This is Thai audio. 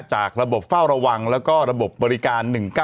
จากระบบเฝ้าระวังแล้วก็ระบบบริการ๑๙๑